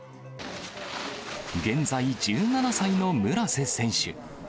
現在１７歳の村瀬選手。